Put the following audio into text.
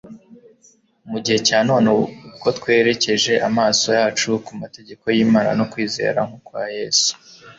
Mu gihe cya none ubwo twerekeje amaso yacu ku mategeko y'Imana no kwizera nk'ukwa Yesu,